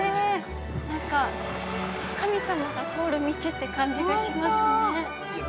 ◆なんか神様が通る道って感じがしますね。